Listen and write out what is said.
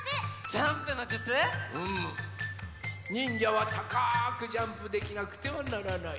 ジャンプのじゅつ？にんじゃはたかくジャンプできなくてはならない。